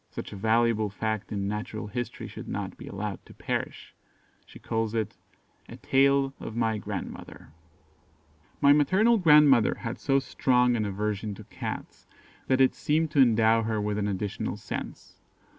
Such a valuable fact in natural history should not be allowed to perish; she calls it, A TALE OF MY GRANDMOTHER. My maternal grandmother had so strong an aversion to Cats that it seemed to endow her with an additional sense.